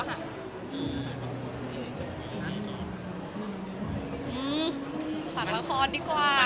ฝากละครดีกว่า